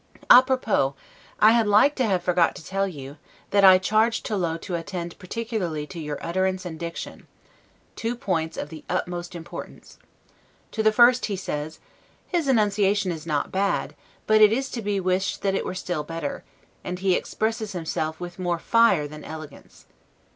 'A propos', I had like to have forgot to tell you, that I charged Tollot to attend particularly to your utterence and diction; two points of the utmost importance. To the first he says: "His enunciation is not bad, but it is to be wished that it were still better; and he expresses himself with more fire than elegance.